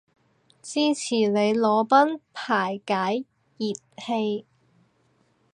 支持你裸奔排解熱氣